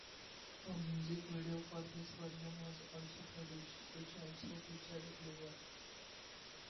A music video for this version was also produced, which also featured Glover.